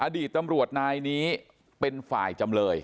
อดีตตำรวจนายนี้เป็นฝ่ายจำเลย